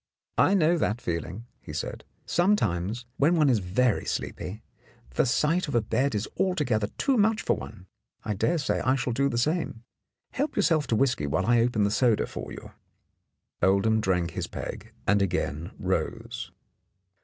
"I know that feeling," he said. "Sometimes, when one is very sleepy, the sight of a bed is alto gether too much for one. I dare say I shall do the same. Help yourself to whisky while I open the soda for you." Oldham drank his peg and again rose.